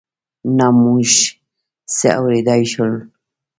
نه موږ څه اورېدای شول.